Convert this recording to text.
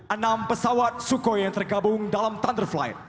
enam pesawat sukhoi yang tergabung dalam thunder flight